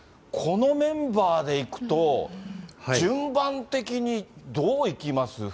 このメンバーでいくと、順番的にどういきます？